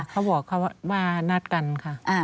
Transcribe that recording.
เขาบอกเขาว่านัดกันค่ะ